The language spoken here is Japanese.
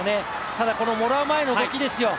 ただ、もらう前の動きですよ。